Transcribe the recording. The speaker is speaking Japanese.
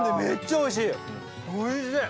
おいしい！